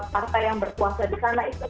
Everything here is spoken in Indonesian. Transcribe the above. partai yang berkuasa di sana itu